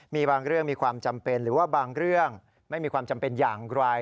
มีบางเรื่องมีความจำเป็นหรือว่าบางเรื่องไม่มีความจำเป็นอย่างไร